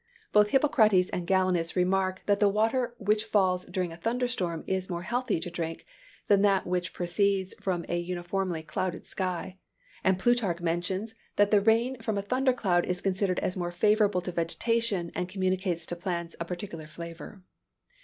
"Both Hippocrates and Galenus remark that the water which falls during a thunder storm is more healthy to drink than that which proceeds from a uniformly clouded sky: and Plutarch mentions that the rain from a thunder cloud is considered as more favorable to vegetation, and communicates to plants a particular flavor."